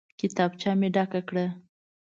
کتابچه مې ډکه کړه.